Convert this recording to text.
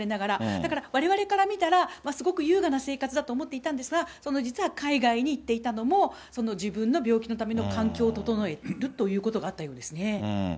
だから、われわれから見たら、すごく優雅な生活だと思っていたんですが、実は海外に行っていたのも、自分の病気のための環境を整えるということがあったようですね。